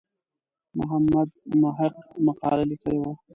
محمد محق مقاله لیکلې وه.